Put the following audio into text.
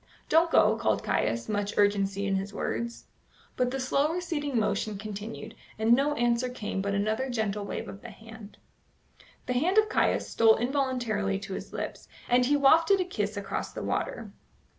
"Don't go," called Caius, much urgency in his words. But the slow receding motion continued, and no answer came but another gentle wave of the hand. The hand of Caius stole involuntarily to his lips, and he wafted a kiss across the water.